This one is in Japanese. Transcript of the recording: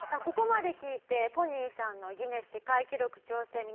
ここまで聞いてＰＯＮＥＹさんのギネス世界記録挑戦